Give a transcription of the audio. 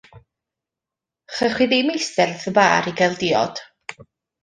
Chewch chi ddim eistedd wrth y bar i gael diod.